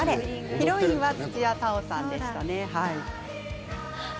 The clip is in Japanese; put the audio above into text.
ヒロインは土屋太鳳さんでした。